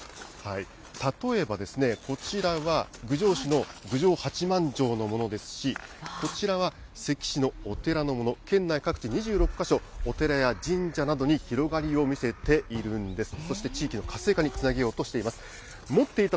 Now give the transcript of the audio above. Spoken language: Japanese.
例えばですね、こちらは郡上市の郡上八幡城のものですし、こちらはせき市のお寺のもの、県内各地２６か所、お寺や神社などに広がりを見せているんです。